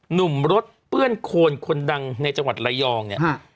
หนุ่มรถเปื้อนโคนคนดังในจังหวัดระยองเนี่ย